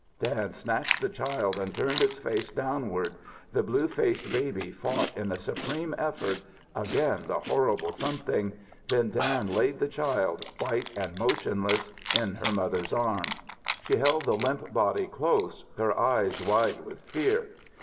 Dan snatched the child and turned it face downward. The blue faced baby fought in a supreme effort again the horrible something then Dan laid the child, white and motionless, in her mother's arms. She held the limp body close, her eyes wide with fear.